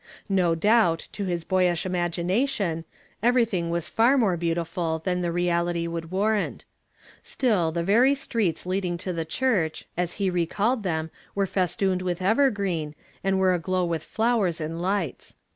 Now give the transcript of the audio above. No d()u])t, to his boyish imagination, everything was far more beautiful than the reality would warrant; still, the very streets leading to the church, as he recalled them, were festooned with evergreen, and were aglow with flowers and lights.